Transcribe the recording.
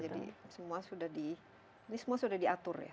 jadi semua sudah di ini semua sudah diatur ya